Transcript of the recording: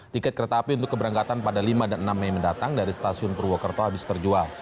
tiket kereta api untuk keberangkatan pada lima dan enam mei mendatang dari stasiun purwokerto habis terjual